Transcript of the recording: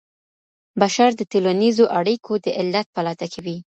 بشر د ټولنيزو اړيکو د علت په لټه کي وي.